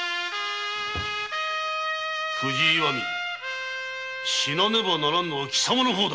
藤井岩見死なねばならんのは貴様の方だ！